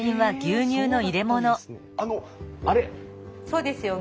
そうですよ